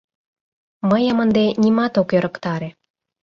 — Мыйым ынде нимат ок ӧрыктаре.